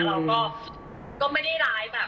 เราจะไม่ได้รับคนแบบนี้เท่าไหร่